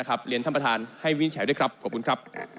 เรียนท่านประธานให้วินิจฉัยด้วยครับขอบคุณครับ